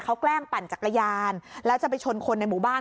เขาแกล้งปั่นจักรยานแล้วจะไปชนคนในหมู่บ้าน